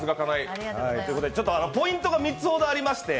ポイントが３つほどありまして